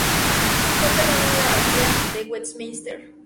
Fue enterrado en la abadía de Westminster.